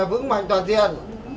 vững mạnh toàn diện